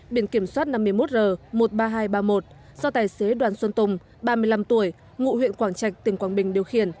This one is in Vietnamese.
biển kiểm soát năm mươi một r một mươi ba nghìn hai trăm ba mươi một do tài xế đoàn xuân tùng ba mươi năm tuổi ngụ huyện quảng trạch tỉnh quảng bình điều khiển